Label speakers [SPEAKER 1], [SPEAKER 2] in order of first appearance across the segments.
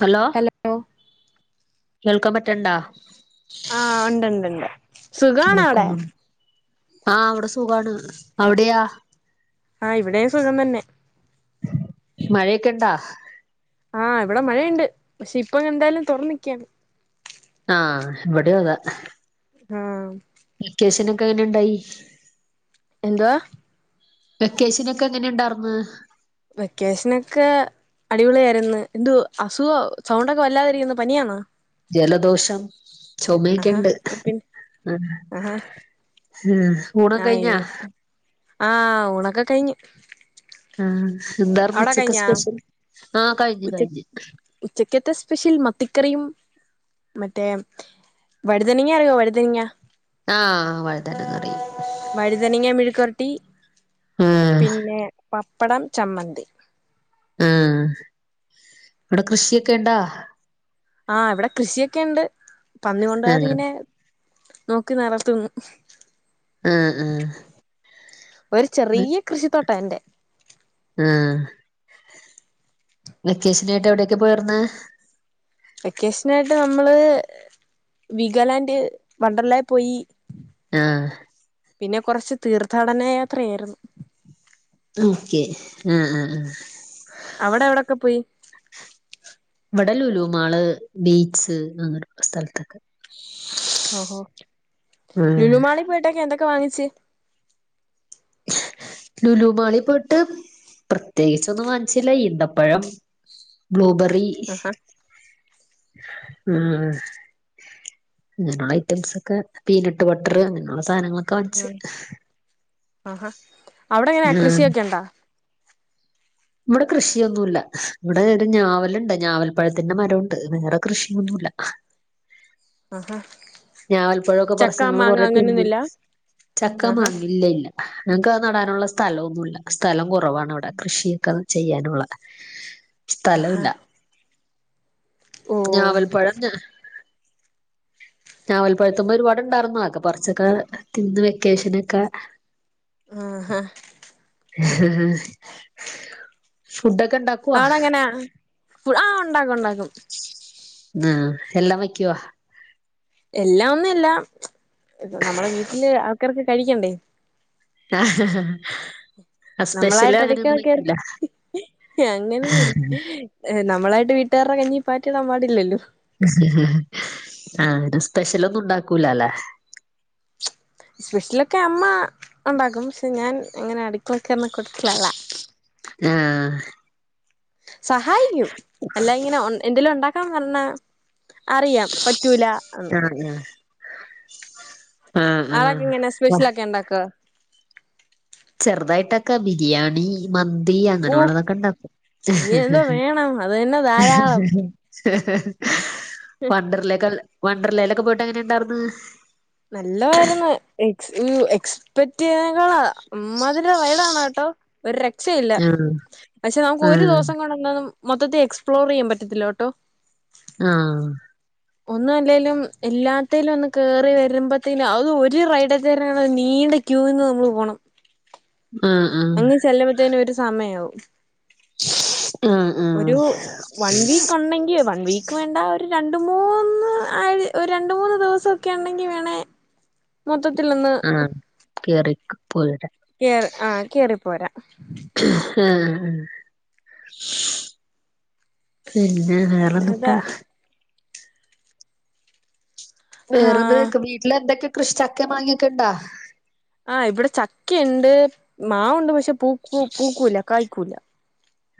[SPEAKER 1] Hello
[SPEAKER 2] hello
[SPEAKER 1] കേൾക്കാൻ പറ്റണ്ടാ
[SPEAKER 2] ആഹ് ഉണ്ട് ഉണ്ട് ഉണ്ട് സുഖാണോ അവ്ടെ
[SPEAKER 1] ആഹ് ഇവിടെ സുഖാണ് അവ്ടെയാ
[SPEAKER 2] ആഹ് ഇവിടെയും സുഖം തന്നെ
[SPEAKER 1] മഴയൊക്കെ ഉണ്ടാ
[SPEAKER 2] ആഹ് ഇവിടെ മഴയുണ്ട് പക്ഷെ ഇപ്പൊ എന്തായാലും [unintelligible] നിക്കാണ്
[SPEAKER 1] ആഹ് ഇവിടെയും അതാ
[SPEAKER 2] ആഹ്
[SPEAKER 1] വെക്കേഷനൊക്കെ എങ്ങനുണ്ടായി
[SPEAKER 2] എന്തുവാ
[SPEAKER 1] വെക്കേഷനൊക്കെ എങ്ങനെ ഉണ്ടാർന്ന്
[SPEAKER 2] വെക്കേഷനൊക്കെ അടിപൊളിയാരുന്ന് എന്ത് അസുഖ സൗണ്ടൊക്കെ വല്ലാതിരിക്കുന്ന്‌ പനിയാണോ
[SPEAKER 1] ജലദോഷം ചുമയൊക്കെ
[SPEAKER 2] ആഹാ
[SPEAKER 1] ഉണ്ട്
[SPEAKER 2] പിന്നെ
[SPEAKER 1] ആഹ്
[SPEAKER 2] ആഹാ
[SPEAKER 1] ഊണൊക്കെ കഴിഞ്ഞാ
[SPEAKER 2] ആഹ് ആഹ് ഊണക്കെ കഴിഞ്ഞ്
[SPEAKER 1] ആഹ് എന്താര്ന്ന്
[SPEAKER 2] അവിടെ
[SPEAKER 1] ഉച്ചക്ക്
[SPEAKER 2] കഴിഞ്ഞാ
[SPEAKER 1] സ്പെഷ്യൽ ആ കഴിഞ്ഞു
[SPEAKER 2] ഉച്ച
[SPEAKER 1] കഴിഞ്ഞു
[SPEAKER 2] ഉച്ചക്കത്തെ സ്പെഷ്യൽ മത്തിക്കറിയും മറ്റേ വഴുതനങ്ങ അറിയോ വഴുതനങ്ങ
[SPEAKER 1] ആഹ് വഴുതനങ്ങ അറിയും
[SPEAKER 2] വഴുതനങ്ങ മിഴുക്കുവരട്ടി
[SPEAKER 1] ആഹ്
[SPEAKER 2] പിന്നെ പപ്പടം ചമ്മന്തി
[SPEAKER 1] ആഹ് അവിടെ കൃഷിയൊക്കെ ഉണ്ടോ
[SPEAKER 2] ആഹ് ഇവിടെ കൃഷിയൊക്കെ ഉണ്ട് പന്നി കൊണ്ട് പോവാതെ
[SPEAKER 1] ആഹ്
[SPEAKER 2] ഇങ്ങനെ നോക്കി നടത്തുന്നു
[SPEAKER 1] ആഹ് ആഹ്
[SPEAKER 2] ഒരു ചെറിയ കൃഷി തോട്ടം എന്റെ
[SPEAKER 1] ആ വെക്കേഷന ആയിട്ട് എവിടെക്ക പോയർുന്ന
[SPEAKER 2] വെക്കേഷന ആയിട്ട് നമ്മള് വിഗാലാൻഡ് വണ്ടർലായി പോയി
[SPEAKER 1] ആ
[SPEAKER 2] പിന്നെ കുറച്ച് തീർത്ഥാടന യാത്രയായിരുന്നു
[SPEAKER 1] ഓക്കെ ആ ആ ആ
[SPEAKER 2] അവിടെ എവിവിടെക്കപോയി
[SPEAKER 1] ഇവിട ലൂല്ലൂ മാള് ബീച് അങ്ങനെയൊക്കെ സ്ഥലത്തൊക്ക്
[SPEAKER 2] ഹോ
[SPEAKER 1] ഉം
[SPEAKER 2] ലുലുമാളി പോയിട്ടക്കെ എന്തൊക്കെ വാങ്ങിച്ച്
[SPEAKER 1] ലുലുമാളി പോയിട്ട് പ്രത്യേകിച്ചൊന്നും വാങ്ങിച്ചില്ല ഈന്തപ്പഴം ബ്ലൂബെറി
[SPEAKER 2] ആഹാ
[SPEAKER 1] ഉ അങ്ങനെയുള്ള ഐറ്റംസ് ഒക്കെ പീനട്ട് ബട്ടർ അങ്ങനെയുള്ള സാധനങ്ങളൊക്കെ വാങ്ങിച്ച്
[SPEAKER 2] ആഹാ അവിടെ എങ്ങനെ
[SPEAKER 1] ഉം
[SPEAKER 2] കൃഷിയൊക്കെ ഇണ്ടാ
[SPEAKER 1] ഇവിടെ കൃഷിയൊന്നുമല്ല ഇവിടെ ഞാവലുണ്ട് ഞാവൽപ്പഴത്തിന്റെ മരംണ്ട് വേറെ കൃഷിയൊന്നുല്ല
[SPEAKER 2] ആഹാ
[SPEAKER 1] ഞാൻ ഞാവൽപഴൊക്കെ പറിച്
[SPEAKER 2] ചക്ക
[SPEAKER 1] ങ്ങള്ൾ
[SPEAKER 2] മാങ്ങ
[SPEAKER 1] കൊറെ തിന്ന
[SPEAKER 2] അങ്ങനെയൊന്നുമില്ല
[SPEAKER 1] ചക്ക
[SPEAKER 2] ആഹാ
[SPEAKER 1] മാങ്ങ ഇല്ല ഇല്ല ഞങ്ങക്ക് അത് നടാനുള്ള സ്ഥലൊന്നുമല്ല സ്ഥലം കുറവാണ് ഇവിടെ കൃഷിയൊക്കത് ചെയ്യാനുള്ള സ്ഥലവുല്ല
[SPEAKER 2] ഓ
[SPEAKER 1] ഞാവൽപഴം ഞാ നാവൽപഴത്ത് മെ ഒരുപാട്ണ്ടായിര്ന്നു. അതൊക്കെ പറ്ച്ചെക്കെ തിന്ന് വെക്കേഷനൊക്കെ
[SPEAKER 2] ആഹ്ഹ
[SPEAKER 1] ഫുഡൊക്കെ ഇണ്ടാക്ക
[SPEAKER 2] ആളെഅങ്ങനെ ആഹ് ഉണ്ടാക്കു ഉണ്ടാക്കും
[SPEAKER 1] ആഹ് എല്ലാം വയ്ക്കുവ
[SPEAKER 2] എല്ലാം ന്നില്ല നമ്മളെ വീട്ടില് ആൾക്കാർക്ക് കഴിക്കേണ്ടേ
[SPEAKER 1] ആഹ് സ്പെഷ്യല്
[SPEAKER 2] നമ്മളായിട്ടെട്യ്ക്ക
[SPEAKER 1] അങ്ങനെയൊന്നും
[SPEAKER 2] [unintelligible] കേറ
[SPEAKER 1] വെക്കൂല
[SPEAKER 2] ഞങ്ങനൊന്നുല്ല നമ്മളായിട്ട് വീട്ടാര്ടെ കഞ്ഞി പാറ്റിടാൻ പാടില്ലല്ലോ
[SPEAKER 1] ആഹ് സ്പെഷ്യലൊന്നും ഉണ്ടാക്കൂലാല്ലെ
[SPEAKER 2] സ്പെഷ്യലൊക്കെ അമ്മ ഒണ്ടാക്കും. പക്ഷെ ഞാൻ ഇങ്ങനെ അടുക്കളേക്കൊന്ന [unintelligible] കൂട്ടത്തിലല്ല
[SPEAKER 1] ആഹ്
[SPEAKER 2] സഹായിക്കും. അല്ലാ ഇങ്ങനെ എന്തേലു ഉണ്ടാക്കാ പറ്ഞ്ഞെ അറിയാ. പറ്റൂല
[SPEAKER 1] ആഹ് ആഹ്
[SPEAKER 2] ആളൊക്കെ
[SPEAKER 1] ആഹ്
[SPEAKER 2] ഇങ്ങനെ സ്പെഷ്യലൊ
[SPEAKER 1] വഹ്
[SPEAKER 2] ക്കെ ഉണ്ടാക്കൊ.
[SPEAKER 1] ചെറുതായിട്ടൊക്കെ ബിരിയാണി. മന്തി അങ്ങനെ
[SPEAKER 2] ഓ
[SPEAKER 1] ഉള്ളതൊക്കെ ഇണ്ടാക്കും.
[SPEAKER 2] ഇനി എന്തോ വേണം അത് തന്നെ ധാരാളം
[SPEAKER 1] വണ്ടറ്ലേക്കെ വണ്ടർലേ ഇലൊക്കെ പോയിട്ട് എങ്ങനെ ഇണ്ടായിർന്ന്.
[SPEAKER 2] നല്ലവായിരുന്നു. എ എക്സ്പെക്ട് ചെയ്യതിനേക്കാളാ ഇമ്മാതിരി വൈടാണോ [unintelligible] ട്ടോ ഒരു രക്ഷയില്ല
[SPEAKER 1] ആഹ്
[SPEAKER 2] പക്ഷെ നമുക്ക് ഒരു
[SPEAKER 1] ആഹ്
[SPEAKER 2] ദിവസം കൊണ്ട് [unintelligible] ന്നും മൊത്തത്തി എക്സ്പ്ലോർ ചെയ്യാൻ പറ്റത്തില്ല കെട്ടോ.
[SPEAKER 1] ആഹ്
[SPEAKER 2] ഒന്ന് അല്ലേലും ഇല്ലാത്തേലും ഒന്ന് കേറി വരുമ്പത്തീനു അത് ഒരു റൈഡ ത [unintelligible] ണ നീണ്ട് ക്യൂ ന്ന് നമ്മൾ പോണം
[SPEAKER 1] ആഹ് ആഹ്
[SPEAKER 2] ചെല്ലുമ്പത്തേന് ഒരു സമയ ആവും.
[SPEAKER 1] ആഹ് ആഹ്
[SPEAKER 2] ഒരു വൺ വീക്ക് ക്കൊണ്ടെങ്കി വൺ വീക്ക് വേണ്ട ഒരു രണ്ട് മൂന്ന് അയ് രണ്ട് മൂന്ന് ദിവസൊക്കെ ഉണ്ടെങ്കിൽ വേണേ മൊത്തത്തിലൊന്ന്
[SPEAKER 1] കേറിക്ക് പോയിടാ
[SPEAKER 2] കേറി ആഹ് കേറിപ്പോരാ
[SPEAKER 1] ഏഹ് പിന്നെ വേറന്ത്ട്ടാ
[SPEAKER 2] അല്ലാതെ
[SPEAKER 1] വേറെ
[SPEAKER 2] ആഹ്
[SPEAKER 1] എന്തക്കെ വീട്ടിലെന്തൊക്കെ കൃഷി ചക്കെ മാങ്ങ്യാെക്കെ ഉണ്ടോ.
[SPEAKER 2] ആഹ് ഇവിടെ ചക്ക ഇണ്ട്. മാവുണ്ട് പക്ഷെ പൂ പൂക്കൂല കായ്ക്കൂല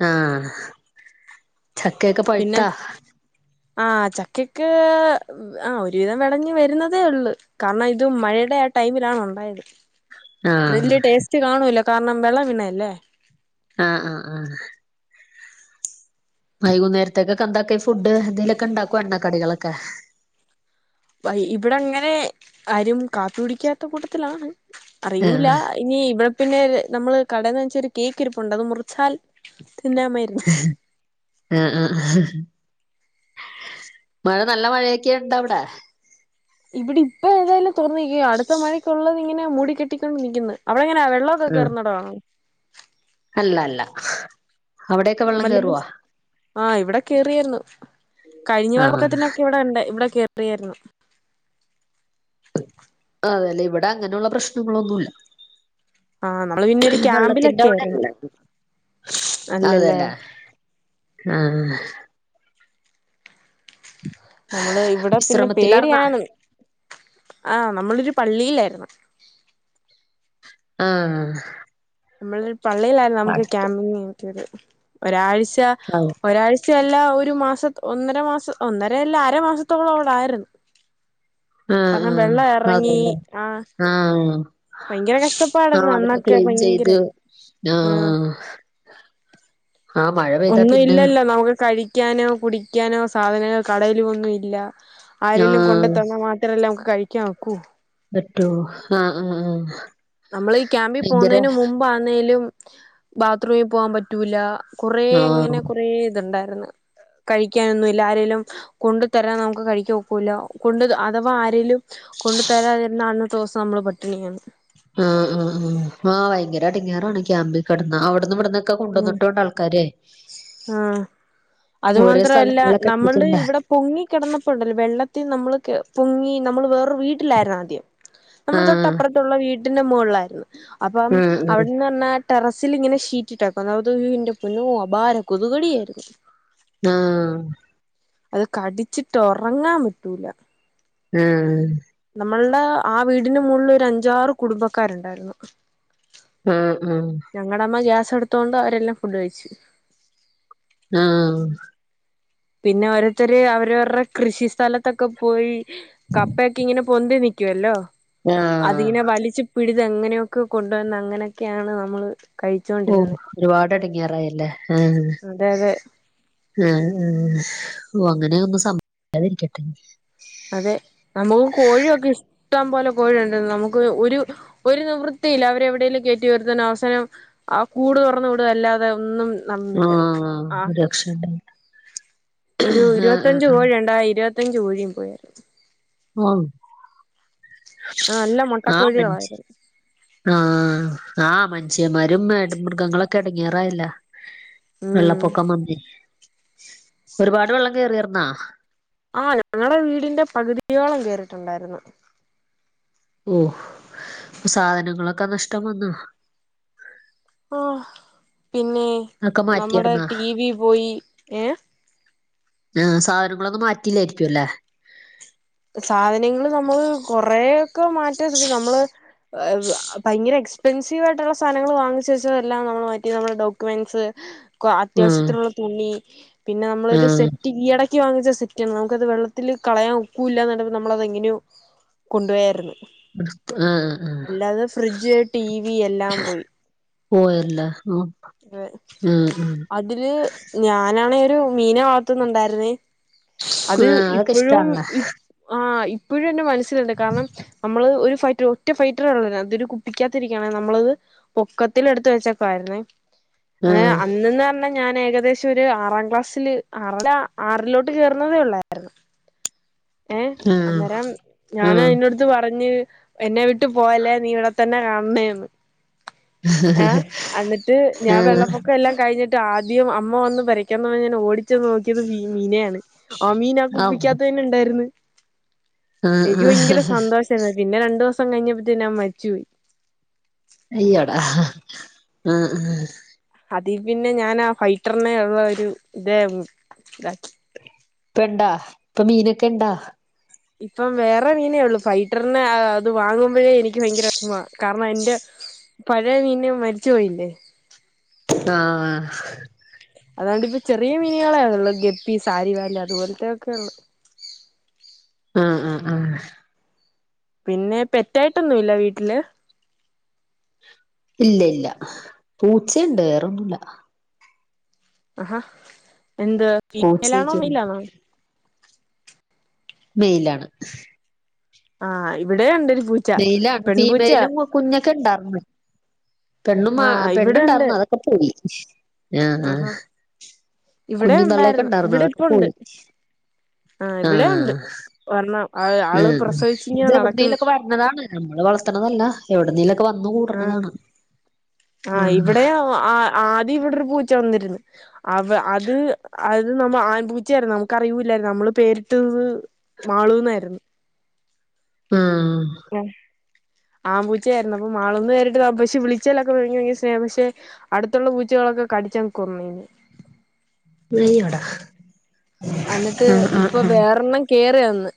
[SPEAKER 1] ആഹ് ചക്ക്യക്കെ
[SPEAKER 2] പിന്നെ ആഹ് ചക്കക്ക് ആഹ് ഒരുവിധം വെളഞ് വെരുന്നതേ ഒള്ളു. കാര്ണം ഇത് മഴയുടെ ആഹ് ടൈമിലാണ് ഉണ്ടായത്
[SPEAKER 1] ആഹ്
[SPEAKER 2] ഇതിന്റെ ടേസ്റ്റ് കാണൂല്ല. കാര്ണം വിെള വിണെ അല്ലേ
[SPEAKER 1] ആഹ് ആഹ് ആഹ് വൈകുന്നേരത്തെക്കൊക്കെ എന്താക്ക ഫുഡ്. എന്തതിലൊക്കെ ഇണ്ടാക്കൊ എണ്ണ കടികളൊക്കെ.
[SPEAKER 2] ഇവിടെ അങ്ങനെ ആരും കാത്തു പിടിക്കാത്ത കൂട്ടത്തിലാണ് അറിയൂല്ല.
[SPEAKER 1] ആഹ്
[SPEAKER 2] ഇനി ഇവടെ പിന്നെ നമ്മള് കടന്ന് വെച്ചെരു കേക്ക് ഇരിപ്പുണ്ട് അത് മുറിച്ചാൽ തിന്നാൻ മെ
[SPEAKER 1] ഉം ഉം ആഹ് ആഹ് മഴ നല്ല മഴയൊക്കെ ഉണ്ട് അവിടെ
[SPEAKER 2] ഇവിടി ഇപ്പ ഏതായാലും തുറന്നക്ക അടുത്ത മഴയ്ക്കള്ളത് ഇങ്ങെനെ മൂടി കെട്ടിക്കൊണ്ട് നിക്കുന്ന് അവടെ എങ്ങനെ ഉള്ളത്
[SPEAKER 1] ആഹ്
[SPEAKER 2] കേറ്നടാ
[SPEAKER 1] അല്ല അല്ല അവിടെയൊക്കെ വെള്ളം
[SPEAKER 2] മല്ല്ല്ല്
[SPEAKER 1] കേറുവോ
[SPEAKER 2] ആഹ് ഇവിടെ കേറിയാര്ന്ന് കഴിഞ്ഞ
[SPEAKER 1] ആഹ്
[SPEAKER 2] വെള്ളപൊക്കത്തിന്നൊക്കെ ഇവിടെ ണ്ട് ഇവിടെ കേ പ്രിയാറിയാര്ന്നു
[SPEAKER 1] ആഹ് അതെലേ ഇവിടെ അങ്ങനൊള്ള പ്രശ്നങ്ങളൊന്നുംല്ല
[SPEAKER 2] ആഹ് നമ്മള് പിന്നെ ഒരു
[SPEAKER 1] വെള്ളത്തിന്റെ
[SPEAKER 2] ക്യാമ്പിലൊക്കെ ആയിരുന്നു
[SPEAKER 1] ഔടെണ്ട് സ്
[SPEAKER 2] അല്ലല്ലേ
[SPEAKER 1] അതെല്ലേ ആഹ്
[SPEAKER 2] നമ്മള് ഇവിടെ പിന്നെ
[SPEAKER 1] വിശ്രമത്തിലാർന്നാ
[SPEAKER 2] പേടിയാണ് ആഹ് നമ്മളൊരു പള്ളീലായിര്ന്ന്
[SPEAKER 1] ആഹ്
[SPEAKER 2] നമ്മളൊരു പള്ളീയിലായിരുന്നു നമുക്ക്
[SPEAKER 1] അടുത്ത്
[SPEAKER 2] ക്യാമ്പിങ് കിയത് ഒരാഴ്ച
[SPEAKER 1] ആഹ്
[SPEAKER 2] ഒരാഴ്ചയല്ല ഒരു മാസം ഒന്നര മാസം ഒന്നര അല്ല അര മാസത്തോളം ഔടെ ആയിരുന്ന് [inaudible] കാരണം വെള്ളം
[SPEAKER 1] ആഹ്
[SPEAKER 2] എറങ്ങീ
[SPEAKER 1] അതേല്ലേ
[SPEAKER 2] ആഹ്
[SPEAKER 1] ആഹ്
[SPEAKER 2] ഭയങ്കര കഷ്ട്ടപ്പാടയ്രുന്നു അന്നൊക്കെ ഭയം
[SPEAKER 1] ഇജ് നാ ആഹ് മഴ പെ
[SPEAKER 2] ഒന്നും ഇല്ലല്ലോ നമുക്ക് കഴിക്കാനോ കുടിക്കാനോ സാധനങ്ങൾ കടയിലും ഒന്നും ഇല്ലാ ആരേലും
[SPEAKER 1] ആഹ്
[SPEAKER 2] കൊണ്ട്ത്തന്നാ മാത്രെല്ലേ നമുക്ക് കഴിക്കാൻ ഒക്കൂ
[SPEAKER 1] ന്നട്ടോ ആഹ് ആഹ് ആഹ്
[SPEAKER 2] നമ്മള് ഈ ക്യാമ്പീ പോവ്
[SPEAKER 1] ഭയങ്കര
[SPEAKER 2] ന്നെയിന് മുമ്പാന്നേലും ബാത്റൂമി ൽപോവാൻ പറ്റൂല്ലാ
[SPEAKER 1] ആഹ്
[SPEAKER 2] കുറേങ്ങിനെ കൊറേ ഇത്ണ്ടായിര്ന്നു കഴിക്കാനൊന്നും ഇല്ല ആരേലും കൊണ്ടു ത്തരാൻ നമുക്ക് കഴിക്കാ ഒക്കൂല കൊണ്ട് അഥവാ ആരേലും കൊണ്ട് തരാൻ വര്ണ അന്ന്ത്തെ ദോസം നമ്മള് പട്ടിണിയാണ്
[SPEAKER 1] ആഹ് ആഹ് ആഹ് ആഹ് ഭയങ്കര എടിങ്ങാറാണ് ക്യാമ്പിൽ കിടന്നാ ഔട്ന്ന് വിടംന്ന് ഒക്കെ
[SPEAKER 2] ഉം
[SPEAKER 1] കൊണ്ടന്ന്ട്ടുംണ്ട് ആൾക്കാരെ
[SPEAKER 2] ആഹ് അത്
[SPEAKER 1] ഓരോ
[SPEAKER 2] മാത്രവല്ലാ
[SPEAKER 1] സ്ഥലങ്ങളിലൊക്കെ
[SPEAKER 2] നമ്മള്ള്
[SPEAKER 1] എത്തിച്ചിണ്ടാ
[SPEAKER 2] ഇവടെ പൊങ്ങി കെടന്നപ്പോ ഒണ്ടല്ലോ വെള്ളത്തീ നമ്മള് കെ പൊങ്ങീ നമ്മള് വേറൊരു വീട്ടിലായിരുന്ന് ആദ്യം നമ്മടെ
[SPEAKER 1] ആഹ്
[SPEAKER 2] തൊട്ടപ്പുറത്തുള്ള വീട്ടിന്റെ മോള്ളായിരുന്നു അപ്പം
[SPEAKER 1] ആഹ് ആഹ്
[SPEAKER 2] അവിട്ന്ന് പറഞ്ഞാ ടെറസില് ഇങ്ങനെ ഷീറ്റിട്ടേക്കാ അത് ഉയോ എൻ്റെ പൊന്നോ അപാര കൊതുകടിയാരുന്നു
[SPEAKER 1] ആഹ്
[SPEAKER 2] അത് കടിച്ചിട്ട് ഒറങ്ങാൻ പറ്റൂല
[SPEAKER 1] ആഹ്
[SPEAKER 2] നമ്മൾടെ ആ വീടിന് മോളിലൊരു അഞ്ചാറ് കുടുംബക്കാര് ഒണ്ടാരുന്നു
[SPEAKER 1] ആഹ് ആഹ്
[SPEAKER 2] ഞങ്ങടെ അമ്മ ഗ്യാസ് എടുത്തോണ്ട് അവരെല്ലം ഫുഡ് കഴിച്ച്
[SPEAKER 1] ആഹ്
[SPEAKER 2] പിന്നെ ഓരോര്ത്തര് അവരവര്ടെ കൃഷി സ്ഥലത്തൊക്കെ പോയി കപ്പയൊക്കെ ഇങ്ങനെ പൊന്തി നിക്കുവല്ലോ അതിങ്ങനെ
[SPEAKER 1] ആഹ്
[SPEAKER 2] വലിച്ച് പിഴ്ത് എങ്ങനെയൊക്കോ കൊണ്ടുവന്ന് അങ്ങനെക്കെയാണ് നമ്മള്
[SPEAKER 1] ഓഹ്
[SPEAKER 2] കഴിച്ചോണ്ടിരുന്നത്
[SPEAKER 1] ഒരുപാട് എടങ്ങേറായല്ലേ ആഹ്
[SPEAKER 2] അതെ അതെ
[SPEAKER 1] ആഹ് ആഹ് ഓഹ് അങ്ങനെ ഒന്നും സംഭവിക്കാതിരിക്കട്ടെ
[SPEAKER 2] അതെ നമ്മുക്ക്‌ കോഴിയൊക്കെ ഇഷ് ട്ടം പോലെ കോഴിണ്ടേരുന്നു നമുക്ക് ഒരൂ ഒരു നിവൃത്തിയില്ല അവരെ എവിടേലും കേറ്റി ഉയർത്താന് അവസാനം ആഹ് കൂട് തൊറന്ന് വിടുവല്ലാതെ ഒന്നും നടന്നില്ല
[SPEAKER 1] ആഹ് രക്ഷ ഇണ്ടായില്ല
[SPEAKER 2] ഒരൂ ഇരുവത്തഞ്ച് കോഴിയിണ്ടായി ആ ഇരുവത്തഞ്ച് കോഴിം പോയാരുന്നു
[SPEAKER 1] ഓഹ്
[SPEAKER 2] നല്ല
[SPEAKER 1] ആഹ് പൻച്ച്
[SPEAKER 2] മുട്ടക്കോഴികളായിരുന്നു
[SPEAKER 1] ആഹ് ആഹ് മനുഷ്യന്മാരും മേട് മൃഗങ്ങളൊക്കെ എടങ്ങാറായല്ലാ
[SPEAKER 2] ഉം
[SPEAKER 1] വെള്ളപ്പൊക്കം വന്നെ ഒരുപാട് വെള്ളം കേറിയാർന്നാ?
[SPEAKER 2] ആഹ് ഞങ്ങടെ വീടിന്റെ പകുതിയോളം കേറീട്ട്ണ്ടാര്ന്ന്
[SPEAKER 1] ഓഹ് അപ്പ സാധനങ്ങളക്കെ നഷ്ടം വന്നാ
[SPEAKER 2] ഓഹ് പിന്നെ
[SPEAKER 1] ഒക്കെ
[SPEAKER 2] നമ്മടെ
[SPEAKER 1] മാറ്റിയാർന്നാ
[SPEAKER 2] ടീവി പോയീ ഏഹ്
[SPEAKER 1] ആഹ് സാധനങ്ങളൊന്നും മാറ്റില്ലായ്രിക്കും അല്ലേ
[SPEAKER 2] സാധനങ്ങള് നമ്മള് കൊറെയൊക്കെ മാറ്റാൻ ശ്ര നമ്മള് ഭയങ്കര എക്സ്പെൻസീവ് ആയിട്ട്ള്ള സാധങ്ങങ്ങള് വാങ്ങിച്ച് വെച്ചത് എല്ലാം നമ്മള് മാറ്റി നമ്മടെ ഡോക്യുമെന്റ്സ് ക്കൊ
[SPEAKER 1] ആഹ്
[SPEAKER 2] അത്യാവശ്യത്തിനുള്ള തുണി പിന്നെ നമ്മളൊരു
[SPEAKER 1] ആഹ്
[SPEAKER 2] സെറ്റ് [unintelligible] ക്ക്‌ വാങ്ങിച്ച സെറ്റേണ് നമ്മക്കത് വെള്ളത്തില് കളയാൻ ഒ ക്കൂലാന്ന് കണ്ടപ്പൊ നമ്മളത് എങ്ങനെയോ കൊണ്ടുപോയാര്ന്നു
[SPEAKER 1] ആഹ് ആഹ്
[SPEAKER 2] അല്ലാതെ ഫ്രിഡ്ജ് ടി വി എല്ലാം പോയി
[SPEAKER 1] പോയെല്ല ആഹ്
[SPEAKER 2] അതില് ഞാനാണെ ഒരു മിനെ വളർത്തുന്നുണ്ടാര്ന്നേ അത്
[SPEAKER 1] ആഹ് അതൊക്കെ
[SPEAKER 2] ഇപ്പഴും
[SPEAKER 1] ഇഷ്ടാണല്ലേ
[SPEAKER 2] ആ ഇപ്പഴും എന്റെ മനസ്സിലുണ്ട് കാരണം നമ്മള് ഒര് ഫൈറ്റ ഒറ്റ ഫൈറ്ററേ ഒള്ളാരുന്നു അതൊരു കുപ്പിക്കാത്തിരിക്കാണ് നമ്മളത് പൊക്കത്തില് എട്ത്ത് വെച്ചക്കായിര്ന്നേ [unintelligible]
[SPEAKER 1] ആഹ്
[SPEAKER 2] അന്നന്ന പറഞ്ഞ ഞാന് ഏകദേശം ഒരു ആറാം ക്ലാസ്സില് ആറല്ല ആറിലോട്ട് കേർന്നതേ ഒള്ളാര്ന്ന് ഏഹ്
[SPEAKER 1] ആഹ്
[SPEAKER 2] അന്നേരം ഞാന് അയ്നോട് ത്ത് പറഞ്ഞ് എന്നെ വിട്ട് പോവല്ലേ നീ ഇവടെത്തന്നെ കാണണേന്ന് ആഹ് അന്നിട്ട് ഞാൻ വെള്ളപ്പൊക്കം എല്ലാ കയ്ഞ്ഞിട്ട് ആദ്യം അമ്മ വന്ന് [unintelligible] പറഞ്ഞ് ഞാ ഓടി ചെന്ന് നോക്കിയത് മീനെയാണ് ആ മീന് ആ
[SPEAKER 1] ആഹ് ആഹ്
[SPEAKER 2] കുപ്പിക്കാത്തന്നെ ഇണ്ടാര്ന്ന് എനിക്ക് ഭയങ്കര
[SPEAKER 1] ആഹ്
[SPEAKER 2] സന്തോഷര്ന്നു പിന്നെ രണ്ടു ദിവസം കഴിഞ്ഞപ്പത്തെനു അത് മരിച്ചോയി
[SPEAKER 1] അയ്യടാ ആഹ് ആഹ്
[SPEAKER 2] അതി പിന്നെ ഞാൻ ആ ഫൈറ്ററിനെ ഉള്ള ഒര് ഇതേ ഇതാക്കി
[SPEAKER 1] ഇപ്പണ്ടാ ഇപ്പം മീനൊക്കെ ഇണ്ടാ
[SPEAKER 2] ഇപ്പം വേറെ മീനേ ഒള്ളു ഫൈറ്ററിനെ അത് വാങ്ങുമ്പഴേ എനിക്ക് ഭയങ്കര വെഷമാ കാരണം എന്റെ പഴയ മീന് മരിച്ച് പോയില്ലേ
[SPEAKER 1] ആഹ്
[SPEAKER 2] അതൊണ്ട് ഇപ്പം ചെറിയ മിന്കളേള്ളൂ ഗപ്പി സാരി വാല അത്പൊലത്തെ ഒക്കെ ഒള്ളൂ
[SPEAKER 1] ആഹ് ആഹ് ആഹ് ആഹ്
[SPEAKER 2] പിന്നെ പെറ്റായിട്ടൊന്നും ഇല്ലെ വീട്ടില്
[SPEAKER 1] ഇല്ല ഇല്ല പൂച്ചേണ്ട് വേറൊന്നുല്ല
[SPEAKER 2] ആഹാ എന്ത് ഫീമൈലാണോ
[SPEAKER 1] പൂച്ചക്ക്
[SPEAKER 2] മൈലാണോ
[SPEAKER 1] മൈലാണ്
[SPEAKER 2] ആഹ് ഇവടെ ഒണ്ടൊരു പൂ
[SPEAKER 1] മൈലാണ് ഫീമൈലും കുഞ്ഞൊക്കെ ഇണ്ടാർന്നു പെണ്ണും മാ
[SPEAKER 2] ആഹ് ഇവിടെ ഉണ്ട്
[SPEAKER 1] പെണ്ണ്‌ണ്ടാർന്നൂ അതൊക്കെ പോയി ആഹ് ആഹ്
[SPEAKER 2] ആഹാ ഇവിടെ
[SPEAKER 1] കുഞ്ഞും തള്ളയൊക്കെ
[SPEAKER 2] ഉണ്ടായിരുന്നു
[SPEAKER 1] ഇണ്ടാർന്നു
[SPEAKER 2] ഇവിടെ
[SPEAKER 1] അതൊക്കെ
[SPEAKER 2] ഇപ്പ ഉണ്ട്
[SPEAKER 1] പോയി
[SPEAKER 2] ഇവിടെ ഉണ്ട്
[SPEAKER 1] ആഹ്
[SPEAKER 2] ഒരെണ്ണം ആഹ് ആള് പ്രസവി
[SPEAKER 1] ഇത് എവിട്ന്നേലൊക്കെ വര്ന്നതാണ് നമ്മള് വളർത്ത്ണതല്ല എവിട്ന്നേലൊക്കെ വന്ന് കൂട്ണതാണ്
[SPEAKER 2] ആഹ് ഇവിടെയും ആ ആദ്യം ഇവിടൊരു പൂച്ച വന്നിര്ന്നു അവ അത് അത് നമ്മ ആൺ പൂ ച്ചേർന്നു നമ്മക്കറിയൂല്ലാര്ന്നു നമ്മള് പേരിട്ടത് മാളൂ ന്നാര്ന്നു
[SPEAKER 1] ആഹ്
[SPEAKER 2] ആഹ് ആൺപൂച്ചാര്ന്നു അപ്പൊ മാളുന്ന് പേരിട്ടതാ പക്ഷെ വിളിച്ചാലൊക്കെ സ്നേഹം പക്ഷെ അട്ത്തുള്ള പൂച്ചകളൊക്കെ കടിച്ചന്ന് കൊന്നു അയ്നെ
[SPEAKER 1] അയ്യോടാ
[SPEAKER 2] എന്നിട്ട്
[SPEAKER 1] ആഹ് ആഹ്
[SPEAKER 2] ഇപ്പം വെറോരാണ്ണം കേറി വന്ന്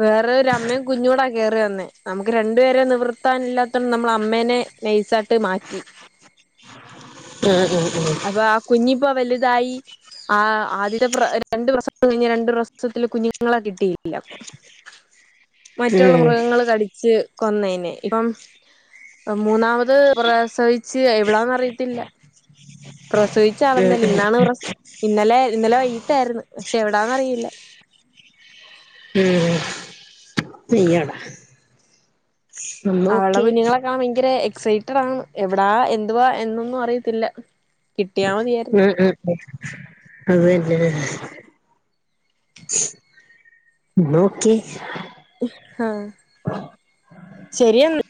[SPEAKER 2] വേറെ ഒരമ്മീം കുഞ്ഞുടെ കേറി വന്ന് നമ്മക്ക് രണ്ട്പേരെ നിവൃ ത്താനില്ലാത്തോണ്ട് നമ്മള് അമ്മേനെ നെയ്സാട്ട് മാറ്റി
[SPEAKER 1] ഉം ഉം ഉം
[SPEAKER 2] ഇപ്പം ആ കുഞ്ഞിപ്പം വലുതായി ആഹ് ആദ്യത്തെ പ്ര രണ്ട് പ്രസവം കഴിഞ്ഞ് രണ്ടു പ്രസവത്തില് കുഞ്ഞ് ങ്ങളെ കിട്ടിയില്ല
[SPEAKER 1] ആഹ്
[SPEAKER 2] മറ്റൊള്ള
[SPEAKER 1] ആഹ് ഉം
[SPEAKER 2] മൃഗങ്ങള് കടി ച്ച് കൊന്നതിനെ ഇപ്പം മൂന്നാമ ത് പ്രസവിച്ച് എവിടാന്ന് അറിയത്തില്ല
[SPEAKER 1] [inaudible]
[SPEAKER 2] പ്രസവിച്ച ആളന്നേല്ലി
[SPEAKER 1] ഉം
[SPEAKER 2] ഇന്നാണ് പ്രസ് ഇന്നലെ ഇന്നലെ വൈകിട്ടാരുന്ന് പക്ഷെ എവിടാന്ന് അറിയില്ല
[SPEAKER 1] ഉം ഉം അയ്യോടാ എന്നാ
[SPEAKER 2] അവളെ
[SPEAKER 1] ഓക്കെ
[SPEAKER 2] കുഞ്ഞുങ്ങളെ കാണാൻ ഭയങ്കര എക്സൈറ്റഡ് ആണ് എവിടാ എന്തുവാ എന്നൊന്നും അറിയത്തില്ല കിട്ടിയാ മതിയായിരുന്നു
[SPEAKER 1] ഉം ഉം അത് തന്നെ ലെ എന്നാ ഓക്കെ
[SPEAKER 2] ആഹ് ശരിയെന്നാ